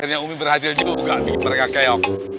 sampai jumpa di video selanjutnya